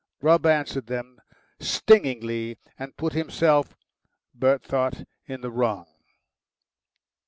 Grubb answered them stingingly, and put himself, Bert thought, in the wrong.